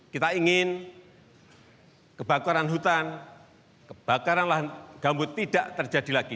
kita ingin kebakaran hutan kebakaran lahan gambut tidak terjadi lagi